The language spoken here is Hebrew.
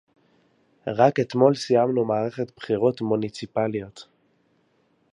רק אתמול סיימנו מערכת בחירות מוניציפליות